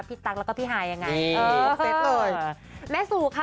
พี่ตั๊งแล้วก็พี่หายังไงเออเสร็จเลยแม่สู่ค่ะ